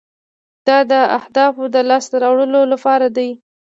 دا د اهدافو د لاسته راوړلو لپاره دی.